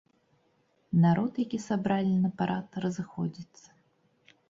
Народ, які сабралі на парад, разыходзіцца.